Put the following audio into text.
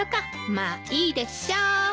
まあいいでしょう。